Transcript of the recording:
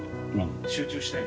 集中したい？